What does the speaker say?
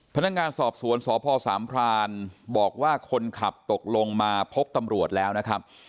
พนักงานสอบสวนสพสามพรานบอกว่าคนขับตกลงมาพบตำรวจแล้วนะครับ